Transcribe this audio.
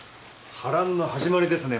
波乱の始まりですね